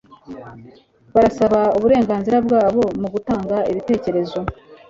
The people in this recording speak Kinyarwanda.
barasaba uburenganzira bwabo mugutanga ibitekerezo